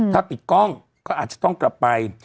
ถ้าปิดกล้องก็อาจจะต้องกลับไป